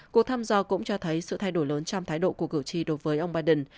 cuộc thăm dò cũng cho thấy sự thay đổi lớn trong thái độ của cử tri đối với ông biden